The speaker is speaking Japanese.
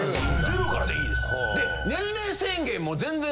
ゼロからでいいです。